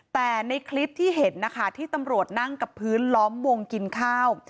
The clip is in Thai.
แต่ในคลิปที่เห็นนะคะที่ตำรวจนั่งกับพื้นล้อมวงกินข้าว